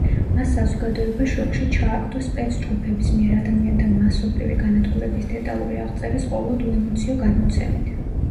მას საზოგადოება შოკში ჩააგდო „სპეცჯგუფების“ მიერ ადამიანთა მასობრივი განადგურების დეტალური აღწერის ყოვლად უემოციო გადმოცემით.